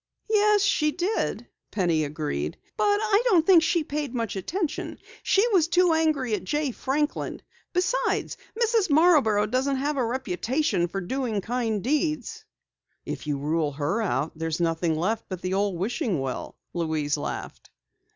"Yes, she did," Penny agreed, "but I don't think she paid much attention. She was too angry at Jay Franklin. Besides, Mrs. Marborough doesn't have a reputation for doing kind deeds." "If you rule her out, there's nothing left but the old wishing well," Louise laughed.